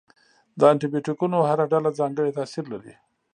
د انټي بیوټیکونو هره ډله ځانګړی تاثیر لري.